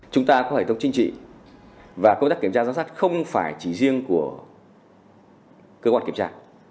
chúng ta có hệ thống chính trị và công tác kiểm tra giám sát không phải chỉ riêng của cơ quan kiểm tra